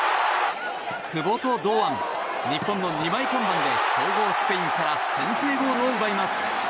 久保と堂安、日本の２枚看板で強豪スペインから先制ゴールを奪います。